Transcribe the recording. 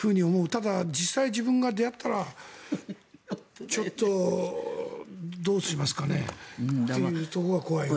ただ実際自分が出会ったらちょっとどうしますかねというところが怖いよね。